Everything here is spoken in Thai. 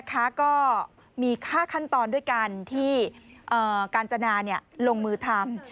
ก็มีค่าขั้นตอนด้วยกันที่กาญจนาลงมือทำ